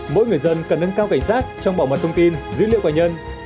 mỗi người dân cần nâng cao cảnh giác trong bảo mật thông tin dữ liệu cá nhân